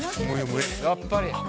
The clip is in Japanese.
やっぱり。